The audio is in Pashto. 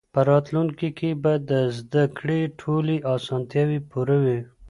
په راتلونکي کې به د زده کړې ټولې اسانتیاوې پوره وي.